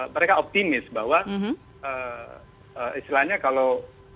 mereka optimis bahwa istilahnya kalau